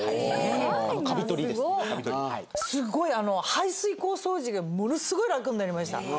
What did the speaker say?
排水溝掃除がものすごい楽になりました。